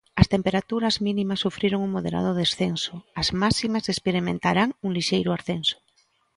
As temperaturas mínimas sufriron un moderado descenso; as máximas experimentarán un lixeiro ascenso.